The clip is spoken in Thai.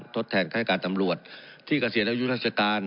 ทดแทนราชการตำรวจที่เกษียณอายุราชการ